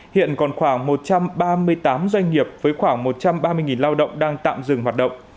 hiện còn khoảng một trăm ba mươi tám doanh nghiệp với khoảng một trăm ba mươi lao động đang tạm dừng hoạt động